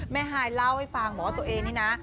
แม่ฮายเล่าให้ฟังหมอตัวเองนี่นะ